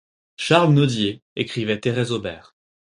Charles Nodier écrivait Thérèse Aubert.